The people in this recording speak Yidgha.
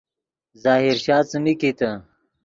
ظاہر شاہ څیمین کیتے